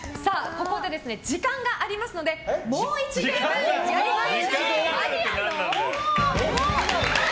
ここで時間がありますのでもう１ゲームやります。